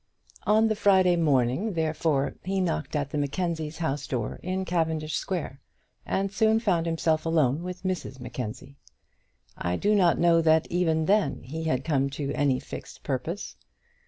On the Friday morning, therefore, he knocked at the Mackenzies' house door in Cavendish Square, and soon found himself alone with Mrs Mackenzie. I do not know that even then he had come to any fixed purpose.